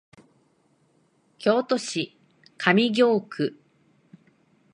京都市上京区